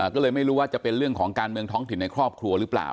ก็เลยไม่รู้ว่าจะเป็นเรื่องของการเมืองท้องถิ่นในครอบครัวหรือเปล่า